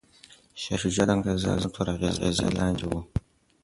شاه شجاع د انګریزانو تر اغیز لاندې دی.